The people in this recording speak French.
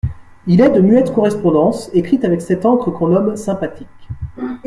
Il est de muettes correspondances, écrites avec cette encre qu'on nomme sympathique.